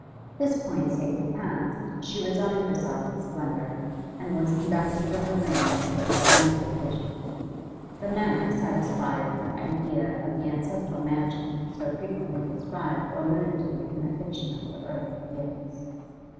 This point safely passed, she resigned herself to splendour, and was conducted to her room in a sort of romantic vision. The Manor satisfied her idea of the ancestral mansion so frequently described or alluded to in the fiction of her earlier years.